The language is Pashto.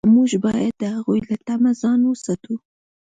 موږ باید د هغوی له طمع ځان وساتو.